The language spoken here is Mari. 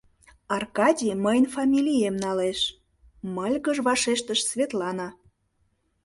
Аркадий мыйын фамилием налеш, — мыльгыж вашештыш Светлана.